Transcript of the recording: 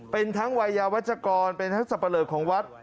เป็นทั้งวัยยาวัชกรเป็นทั้งสับปะเลอของวัด